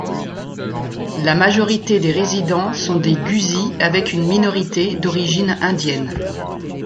La majorité des résidents sont des Gusii avec une minorité d'origine indienne.